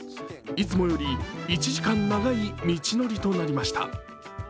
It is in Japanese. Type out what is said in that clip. いつもより１時間長い道のりとなりました。